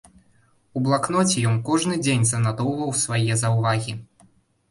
У блакноце ён кожны дзень занатоўваў свае заўвагі.